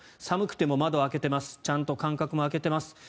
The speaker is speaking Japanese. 寒くても窓を開けていますちゃんと間隔も空けています